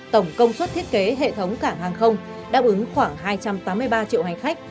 tổng công suất thiết kế hệ thống cảng hàng không đáp ứng khoảng hai trăm tám mươi ba triệu hành khách